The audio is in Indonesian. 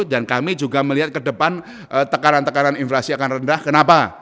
dan kami juga melihat ke depan tekanan tekanan inflasi akan rendah kenapa